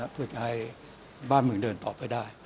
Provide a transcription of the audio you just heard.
เพื่อจะให้บ้านเมืองเดินต่อไปได้